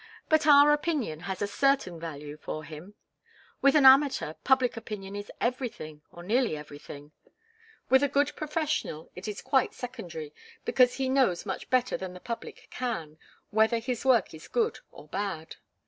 But our opinion has a certain value for him. With an amateur, public opinion is everything, or nearly everything. With a good professional it is quite secondary, because he knows much better than the public can, whether his work is good or bad.